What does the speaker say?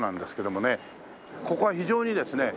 ここは非常にですね